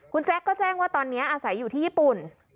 คุณแจ๊คก็แจ้งว่าตอนนี้อาศัยอยู่ที่ญี่ปุ่น